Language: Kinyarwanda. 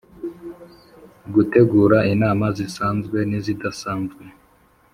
Gutegura inama zisanzwe n izidasanzwe